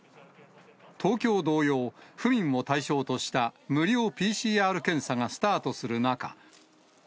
東京同様、府民を対象とした無料ＰＣＲ検査がスタートする中。